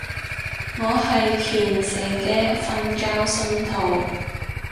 我係虔誠嘅瞓覺信徒